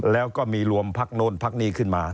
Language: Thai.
แล้วก็มีรวมพรรคโน่นพรรคนี้ขึ้นมา